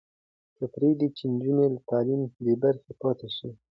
مه پرېږدئ چې نجونې له تعلیمه بې برخې پاتې شي.